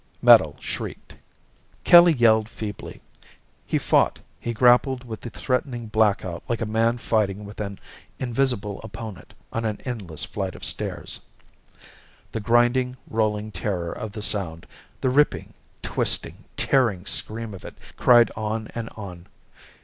Metal shrieked. Kelly yelled feebly. He fought, he grappled with the threatening blackout like a man fighting an invisible opponent on an endless flight of stairs. The grinding rolling terror of the sound, the ripping, twisting, tearing scream of it cried on and on.